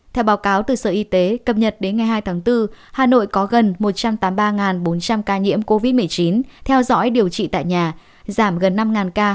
theo báo cáo từ sở y tế cập nhật đến ngày hai tháng bốn hà nội có gần một trăm tám mươi ba bốn trăm linh ca nhiễm covid một mươi chín theo dõi điều trị tại nhà giảm gần năm ca